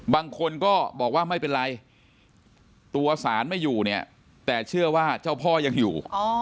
บางคนก็บอกว่าไม่เป็นไรตัวสารไม่อยู่เนี่ยแต่เชื่อว่าเจ้าพ่อยังอยู่